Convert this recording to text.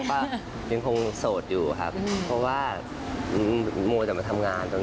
ก็ยังคงโสดอยู่ครับเพราะว่ามัวแต่มาทำงานตรงนี้